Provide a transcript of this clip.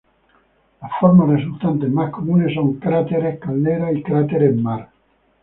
Las formas resultantes más comunes son cráteres-caldera y cráteres-maar.